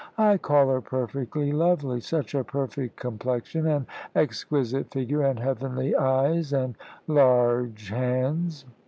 "I call her perfectly lovely. Such a perfect complexion, and exquisite figure, and heavenly eyes, and large hands."